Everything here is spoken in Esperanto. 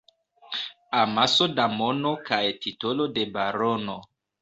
Amaso da mono kaj titolo de barono.